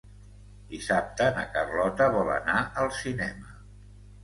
Dissabte na Carlota vol anar al cinema.